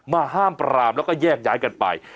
ห้ามปรามแล้วก็แยกย้ายกันไป